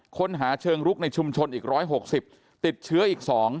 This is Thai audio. ค้นหาเชิงรุกในชุมชนอีก๑๖๐ติดเชื้ออีก๒